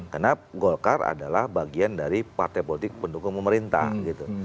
karena golkar adalah bagian dari partai politik pendukung pemerintah gitu